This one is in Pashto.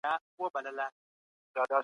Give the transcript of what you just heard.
حکومت له شتمنو څخه د مرستې مطالبه کوي.